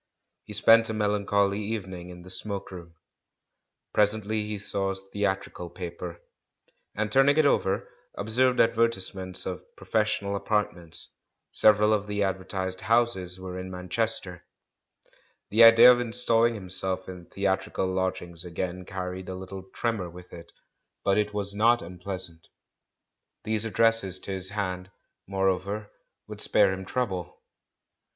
He spent a melancholy evening in the "smoke room." Presently he saw a theatrical pa per, and turning it over, observed advertisements of "professional apatrments"; several of the ad vertised houses were in Manchester. The idea of installing himself in theatrical lodgings again THE CALL FROM THE PAST 397 carried a little tremor with it ; but it was not un pleasant. These addresses to his hand, moreover, would spare him trouble.